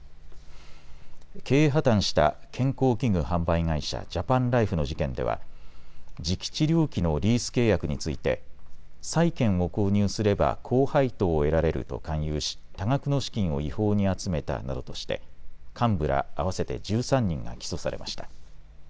経営破綻した健康器具販売会社、ジャパンライフの事件では磁気治療器のリース契約について債権を購入すれば高配当を得られると勧誘し多額の資金を違法に集めたなどとして幹部ら合わせて１３人が起訴されました。